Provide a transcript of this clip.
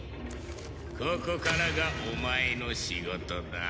ここからがお前の仕事だ。